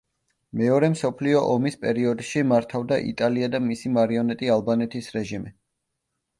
მეორე მსოფლიო ომის პერიოდში მართავდა იტალია და მისი მარიონეტი ალბანეთის რეჟიმი.